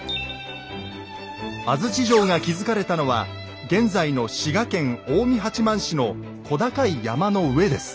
安土城が築かれたのは現在の滋賀県近江八幡市の小高い山の上です。